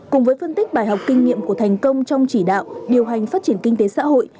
cùng với phân tích bài học kinh nghiệm của thành công trong chỉ đạo điều hành phát triển kinh tế xã hội